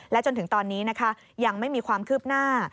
จนถึงตอนนี้นะคะยังไม่มีความคืบหน้า